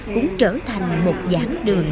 cũng trở thành một giảng đường